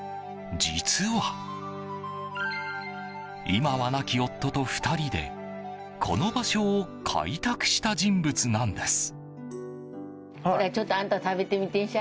実は、今は亡き夫と２人でこの場所を開拓した人物なんです。